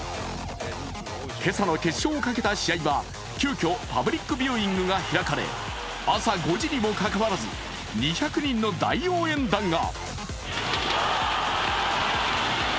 今朝の決勝をかけた試合は、急きょパブリックビューイングが開かれ、朝５時にもかかわらず２００人の大応援団が。